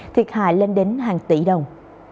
thiệt hại lên đến hàng tỷ đồng